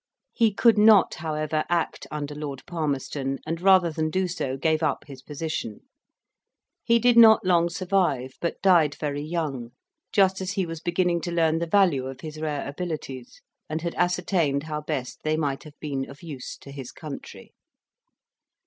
He could not, however, act under Lord Palmerston, and rather than do so gave up his position. He did not long survive, but died very young; just as he was beginning to learn the value of his rare abilities, and had ascertained how best they might have been of use to his country.